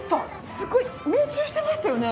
すごい命中してましたよね？